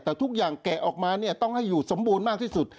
แต่ทุกอย่างแกะออกมาเนี่ยต้องให้อยู่สมบูรณ์มากที่สุด